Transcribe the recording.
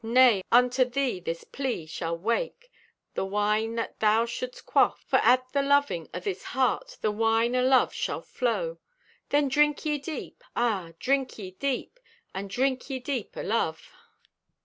Nay, unto thee this plea shall wake The Wine that thou shouldst quaff. For at the loving o' this heart The Wine o' Love shall flow. Then drink ye deep, ah, drink ye deep, And drink ye deep o' Love.